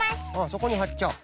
そこにはっちゃう。